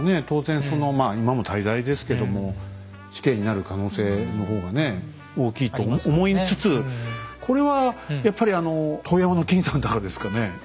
当然まあ今も大罪ですけども死刑になる可能性の方がね大きいと思いつつこれはやっぱりあの遠山の金さんだからですかね？